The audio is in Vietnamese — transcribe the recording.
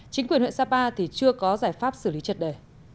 chính quyền huyện sapa thì chưa có giải pháp xử lý triệt đề